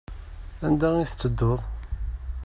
Anda i tettedduḍ?